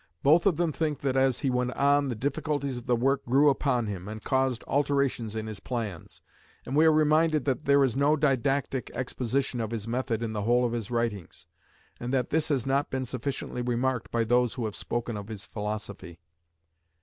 Both of them think that as he went on, the difficulties of the work grew upon him, and caused alterations in his plans, and we are reminded that "there is no didactic exposition of his method in the whole of his writings," and that "this has not been sufficiently remarked by those who have spoken of his philosophy."